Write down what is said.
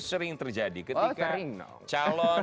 sering terjadi ketika calon